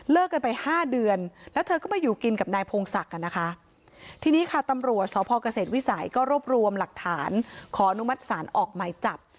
กันไปห้าเดือนแล้วเธอก็มาอยู่กินกับนายพงศักดิ์นะคะทีนี้ค่ะตำรวจสพเกษตรวิสัยก็รวบรวมหลักฐานขออนุมัติศาลออกหมายจับ